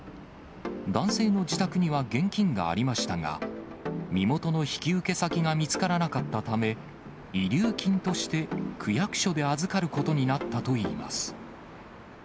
男性の自宅には現金がありましたが、身元の引き受け先が見つからなかったため、遺留金として区役所で預かることになったといいます。